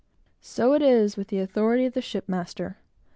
So it is with the authority of the shipmaster.